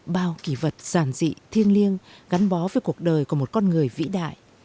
bao kỷ vật giản dị thiên liêng gắn bó với cuộc đời của một con người vĩ đại